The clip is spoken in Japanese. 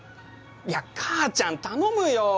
いやかあちゃん頼むよ。